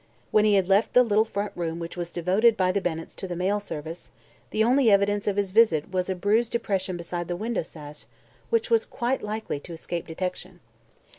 When he had left the little front room which was devoted by the Bennetts to the mail service, the only evidence of his visit was a bruised depression beside the window sash which was quite likely to escape detection.